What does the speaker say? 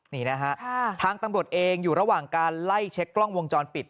นี่นะฮะทางตำรวจเองอยู่ระหว่างการไล่เช็คกล้องวงจรปิด